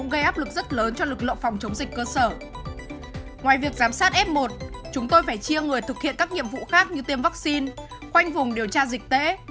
ngoài việc giám sát f một chúng tôi phải chia người thực hiện các nhiệm vụ khác như tiêm vaccine khoanh vùng điều tra dịch tễ